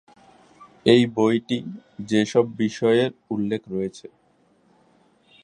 এই বইটি যেসব বিষয়ের উল্লেখ রয়েছে-